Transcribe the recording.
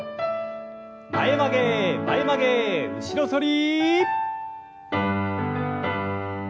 前曲げ前曲げ後ろ反り。